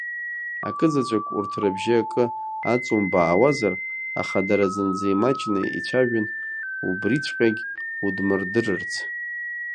Акызаҵәык, урҭ рыбжьы акы аҵумбаауазар, аха дара зынӡа имаҷны ицәажәон убриҵәҟьагь удмырдырырц…